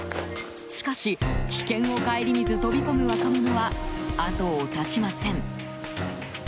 しかし、危険を顧みず飛び込む若者は後を絶ちません。